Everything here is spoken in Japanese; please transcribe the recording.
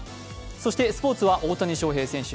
そしてスポーツは大谷翔平選手。